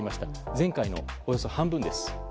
前回のおよそ半分です。